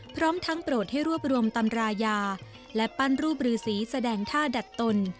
พร้อมทั้งโปรดให้รวบรวมตำรายาและปั้นรูปรือสีแสดงท่าดัดตน